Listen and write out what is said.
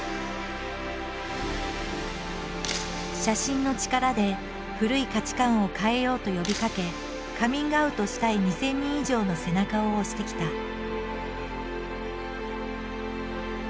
写真の力で古い価値観を変えようと呼びかけカミングアウトしたい２，０００人以上の背中を押してきた。